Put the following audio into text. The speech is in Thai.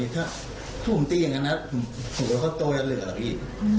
ถ้าผมตีอย่างนั้นผมก็โตอย่างเหลือแล้วพี่